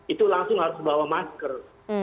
itu langsung harus bawa masker